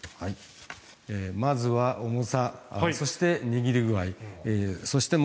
まずは重さそして握り具合です。